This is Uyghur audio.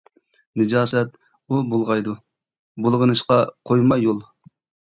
نىجاسەت ئۇ بۇلغايدۇ، بۇلغىنىشقا قويما يول.